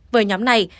với nhóm này